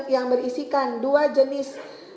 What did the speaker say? yang berisikan dua jenis